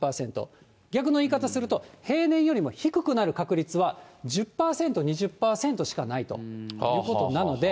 逆の言い方すると、平年よりも低くなる確率は１０％、２０％しかないということになので。